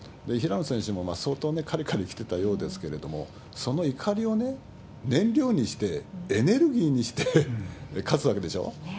平野選手も相当かりかりきてたようですけども、その怒りをね、燃料にして、エネルギーにして勝つわけでしょ。